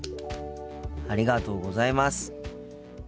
ありがとうございます。